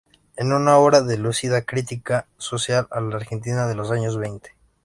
Es una obra de lúcida crítica social a la Argentina de los años veinte.